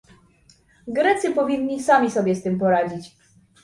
"Grecy powinni sami sobie z tym poradzić